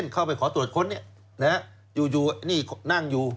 เข้าไปขอตรวจค้นอยู่นี่นั่งอยู่